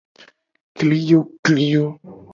Kliyokliyo.